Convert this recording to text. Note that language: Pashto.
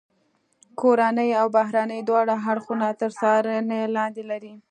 کورني او بهرني دواړه اړخونه تر څارنې لاندې لري.